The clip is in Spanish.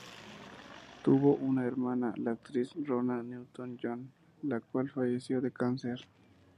Tuvo una hermana, la actriz Rona Newton-John, la cual falleció de cáncer.